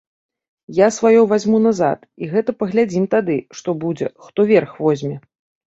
Я сваё вазьму назад, і гэта паглядзім тады, што будзе, хто верх возьме.